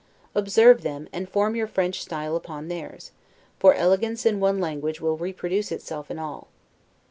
Observe them, and form your French style upon theirs: for elegance in one language will reproduce itself in all.